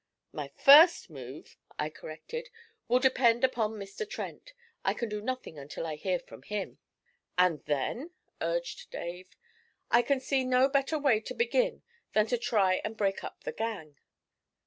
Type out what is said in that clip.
'My first move,' I corrected, 'will depend upon Mr. Trent. I can do nothing until I hear from him.' 'And then?' urged Dave. 'I can see no better way to begin than to try and break up the gang.'